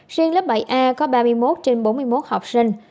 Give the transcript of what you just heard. riêng lớp bảy a có ba mươi một trên bốn mươi một học sinh